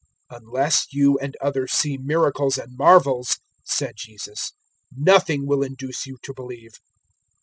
004:048 "Unless you and others see miracles and marvels," said Jesus, "nothing will induce you to believe."